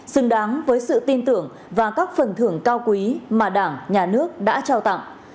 xứng đáng với sự tin tưởng và các phần thưởng cao quý mà đảng nhà nước đã trao tặng